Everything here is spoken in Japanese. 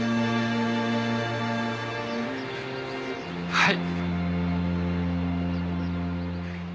はい。